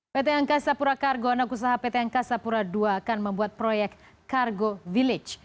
pt angkasapura kargo anak usaha pt angkasapura ii akan membuat proyek kargo village